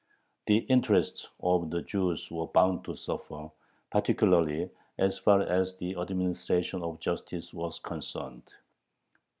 The interests of the Jews were bound to suffer, particularly as far as the administration of justice was concerned.